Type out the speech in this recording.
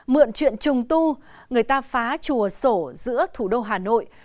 mượn chuyện trùng tu người ta phá chùa sổ giữa thủ đô hà nội